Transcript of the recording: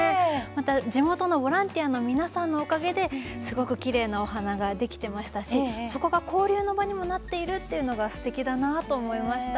地元のボランティアの皆さんのおかげですごくきれいなお花ができていましたしそこが交流の場になっているというのがすてきだなと思いました。